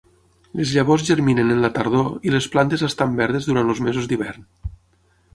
Les llavors germinen en la tardor i les plantes estan verdes durant els mesos d'hivern.